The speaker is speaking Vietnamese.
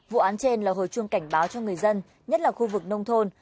vụ án trên là hồi chuông cảnh báo cho người dân nhất là khu vực nông thôn